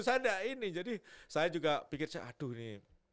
saya juga pikir aduh ini